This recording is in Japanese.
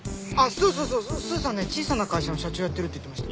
スーさんね小さな会社の社長やってるって言ってました。